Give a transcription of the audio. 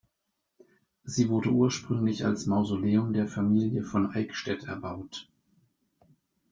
Sie wurde ursprünglich als Mausoleum der Familie "von Eickstedt" erbaut.